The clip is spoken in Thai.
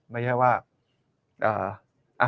ไม่ใช่ว่า